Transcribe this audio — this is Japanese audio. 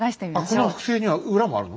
この複製には裏もあるの？